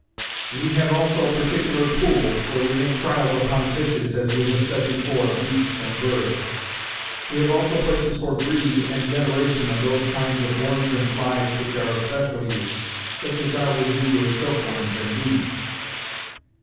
"We have also particular pools, where we make trials upon fishes, as we have said before of beasts and birds. "We have also places for breed and generation of those kinds of worms and flies which are of special use; such as are with you your silk worms and bees.